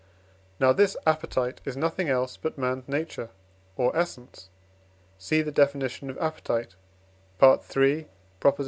Now this appetite is nothing else but man's nature or essence (Cf. the Definition of Appetite, III.